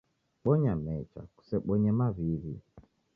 Bonya mecha, kusebonye maw'iw'i.